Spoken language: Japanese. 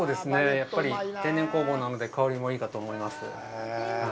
やっぱり天然酵母なので香りもいいかと思います。